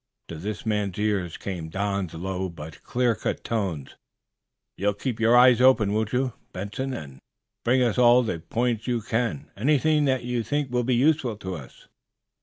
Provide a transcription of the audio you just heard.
To this man's ears came Don's low but clear cut tones: "You'll keep your eyes open, won't you, Benson, and bring us all the points you can? Anything that you think will be useful to us?"